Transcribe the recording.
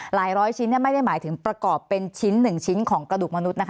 ร้อยชิ้นไม่ได้หมายถึงประกอบเป็นชิ้น๑ชิ้นของกระดูกมนุษย์